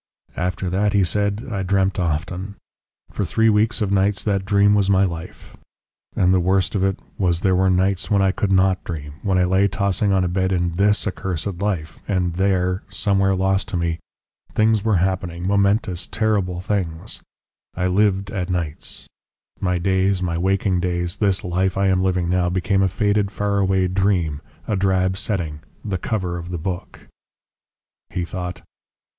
"After that," he said, "I dreamt often. For three weeks of nights that dream was my life. And the worst of it was there were nights when I could not dream, when I lay tossing on a bed in THIS accursed life; and THERE somewhere lost to me things were happening momentous, terrible things.... I lived at nights my days, my waking days, this life I am living now, became a faded, far away dream, a drab setting, the cover of the book." He thought.